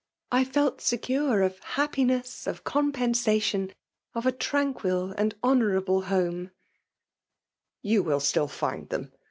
I felt secure 6( happiness, of compensation, of a tranquil and honourable home/' '' You will still find them.